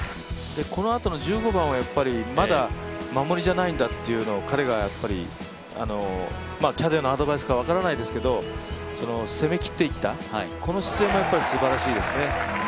このあとの１５番はまだ守りじゃないんだというのを彼がキャディーのアドバイスか分からないですけれども、攻めきっていった、この姿勢もすばらしいですね。